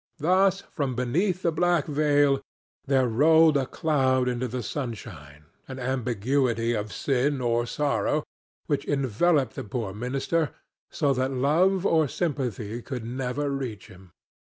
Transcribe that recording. Thus from beneath the black veil there rolled a cloud into the sunshine, an ambiguity of sin or sorrow, which enveloped the poor minister, so that love or sympathy could never reach him.